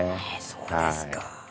そうですか。